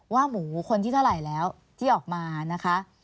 หมูคนที่เท่าไหร่แล้วที่ออกมานะคะ